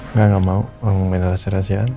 enggak gak mau mau main rahasia rahasiaan